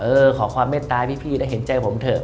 เออขอความไม่ตายพี่ได้เห็นใจผมเถอะ